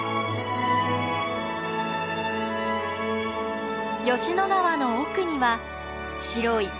吉野川の奥には白い大鳴門橋。